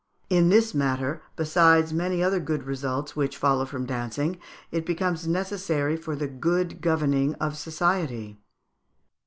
In this matter, besides many other good results which follow from dancing, it becomes necessary for the good governing of society."